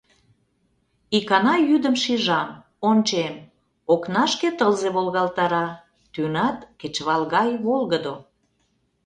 Икана йӱдым шижам, ончем: окнашке тылзе волгалтара, тӱнат кечывал гай волгыдо.